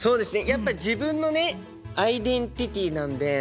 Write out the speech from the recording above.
やっぱ自分のねアイデンティティーなんで。